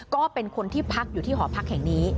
ก็เป็นคนที่พักอยู่ที่หอพักแห่งนี้